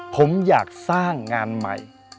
ผมอยากสร้างงานใหม่